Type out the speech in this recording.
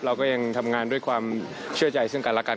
เราก็ยังทำงานด้วยความเชื่อใจซึ่งกันและกัน